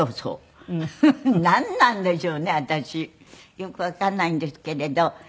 よくわかんないんですけれど。